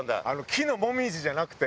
木の紅葉じゃなくて？